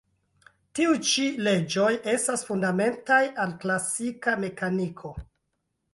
Tiuj ĉi leĝoj estas fundamentaj al klasika mekaniko.